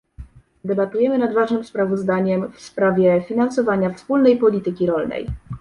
Debatujemy nad ważnym sprawozdaniem w sprawie finansowania wspólnej polityki rolnej